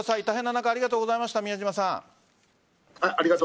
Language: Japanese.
大変な中ありがとうございました。